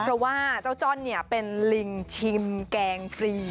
เพราะว่าเจ้าจ้อนเป็นลิงชิมแกงฟรี